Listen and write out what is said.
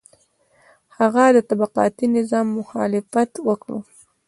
هغه د طبقاتي نظام مخالفت وکړ.